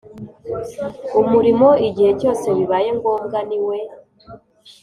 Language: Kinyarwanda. Umurimo igihe cyose bibaye ngombwa niwe